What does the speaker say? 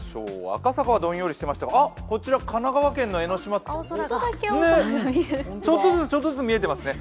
赤坂はどんよりしてましたがこちら神奈川県の江の島、ちょっとずつ、ちょっとずつ見えていますね。